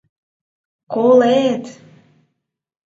— Коле-эт...